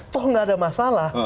toh nggak ada masalah